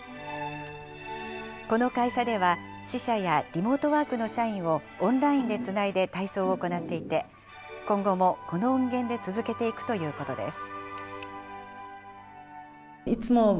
この会社では、支社やリモートワークの社員をオンラインでつないで体操を行っていて、今後もこの音源で続けていくということです。